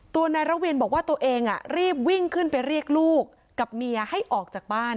ตัวนายระเวนบอกว่าตัวเองรีบวิ่งขึ้นไปเรียกลูกกับเมียให้ออกจากบ้าน